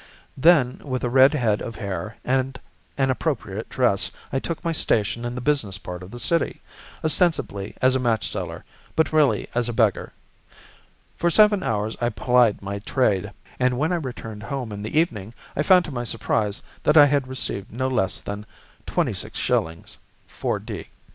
Then with a red head of hair, and an appropriate dress, I took my station in the business part of the city, ostensibly as a match seller but really as a beggar. For seven hours I plied my trade, and when I returned home in the evening I found to my surprise that I had received no less than 26_s_. 4_d_.